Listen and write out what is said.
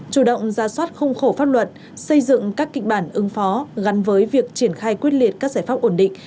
chủ động ra soát khung khổ pháp luật xây dựng các kịch bản ứng phó gắn với việc triển khai quyết liệt các giải pháp ổn định